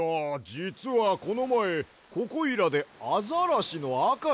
じつはこのまえここいらでアザラシのあかちゃんをみたんだわ。